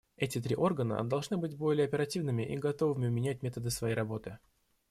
Эти три органа должны быть более оперативными и готовыми менять методы своей работы.